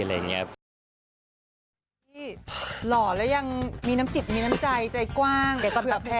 ฮเฮ้ยหล่อแล้วยังมีน้ำจิตมีน้ำใจใจกว้างเผื่อแพ้